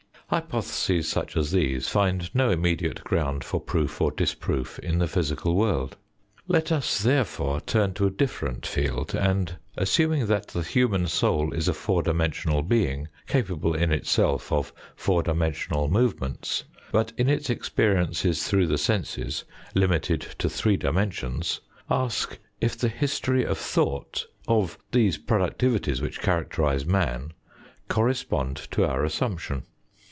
Hypotheses such as these find no immediate ground for proof or disproof in the physical world. Let us, therefore, turn to a different field, and, assuming that the human soul is a four dimensional being, capable in itself of four dimensional movements, but in its experiences through the senses limited to three dimensions, ask if the history of thought, of these productivities which characterise man, correspond to our assumption.